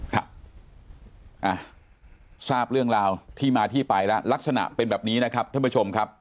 ครับทราบเรื่องราวที่มาที่ไปแล้วลักษณะเป็นแบบนี้นะครับท่านผู้ชมครับ